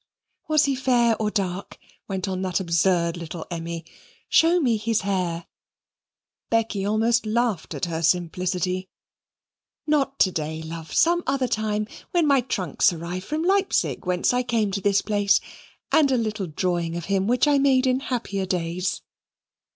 "Was he fair or dark?" went on that absurd little Emmy. "Show me his hair." Becky almost laughed at her simplicity. "Not to day, love some other time, when my trunks arrive from Leipzig, whence I came to this place and a little drawing of him, which I made in happy days."